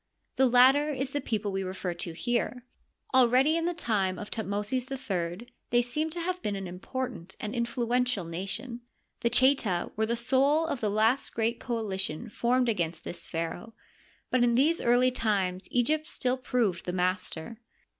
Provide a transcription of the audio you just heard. The latter is the people we refer to here. Already in the time of Thutmosis III they seem to have been an important and influential nation. The Cheta were the soul of the last great coalition formed against this pharaoh, but in these early times Egypt still proved the master.